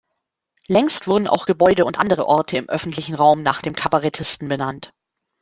Längst wurden auch Gebäude und andere Orte im öffentlichen Raum nach dem Kabarettisten benannt.